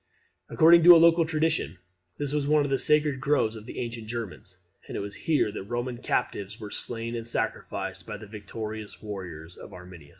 According to local tradition, this was one of the sacred groves of the ancient Germans, and it was here that the Roman captives were slain in sacrifice by the victorious warriors of Arminius.